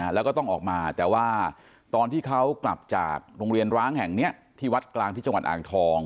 แล้วก็ต้องออกมาแต่ว่าตอนที่เขากลับจากโรงเรียนร้างแห่งนี้ที่วัดกลางที่จังหวัดอ่างทอง